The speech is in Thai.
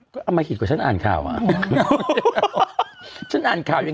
ก็เอามาคิดกว่าฉันอ่านข่าวอ่ะ